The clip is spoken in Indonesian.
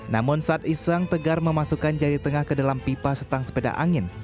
namun saat iseng tegar memasukkan jari tengah ke dalam pipa setang sepeda angin